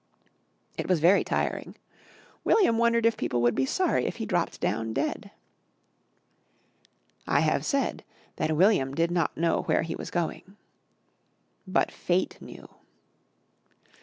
It was very tiring; William wondered if people would be sorry if he dropped down dead. I have said that William did not know where he was going. _But Fate knew.